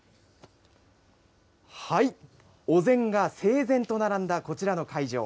お膳が整然と並んだこちらの会場。